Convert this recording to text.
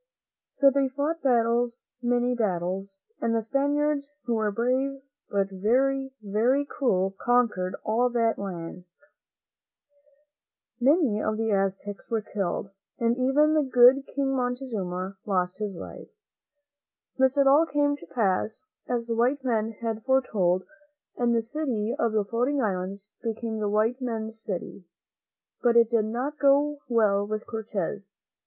So they fought battles, many battles, and the Spaniards, who were brave, but very, very cruel, conquered all that country. Many of the Aztecs were killed, and even the good King Montezuma lost his life. niutuMt 46 THE BEAUTIFUL CITY OF THE FLOATING ISLANDS ■Mil ::^'^A Thus it all came to pass just as the wise men had foretold, and the City of the Floating Islands became the white men's city. But it did not go well with Cortez.